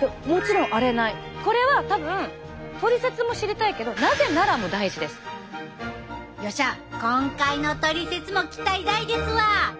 これは多分トリセツも知りたいけどよっしゃ今回のトリセツも期待大ですわ。